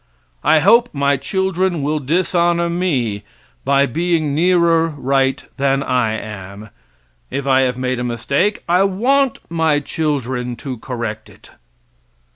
I hope my children will dishonor me by being nearer right than I am. If I have made a mistake, I want my children to correct it.